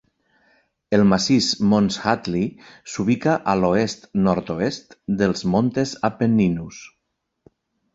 El massís Mons Hadley s'ubica a l'oest-nord-oest dels Montes Apenninus